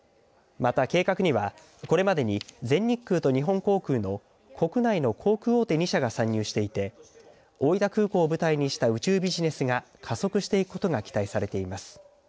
また、計画には、これまでに全日空と日本航空の国内の航空大手２社が参入していて大分空港を舞台にした宇宙ビジネスが加速していくことが期待されています。